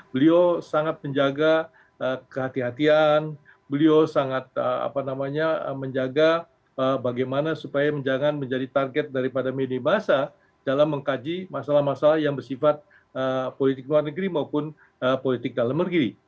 beliau sangat menjaga kehatian kehatian beliau sangat menjaga bagaimana supaya jangan menjadi target daripada media masa dalam mengkaji masalah masalah yang bersifat politik luar negeri maupun politik dalam negeri